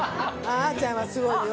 あーちゃんはすごいよ。